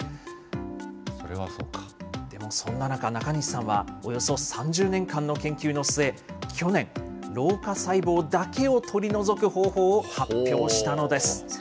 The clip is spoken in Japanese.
でもそんな中、中西さんは、およそ３０年間の研究の末、え去年、老化細胞だけを取り除く方法すごい。